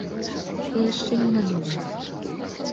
Я яшчэ не надумаў.